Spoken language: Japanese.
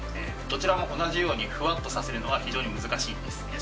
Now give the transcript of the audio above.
どちらも同じようにふわっとさせるのは非常に難しいんです。